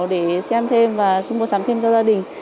để xem thêm và xung mua sắm thêm cho gia đình